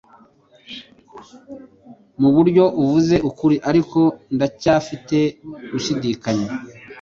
Muburyo uvuze ukuri, ariko ndacyafite gushidikanya.